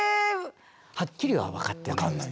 はっきりは分かってないんです。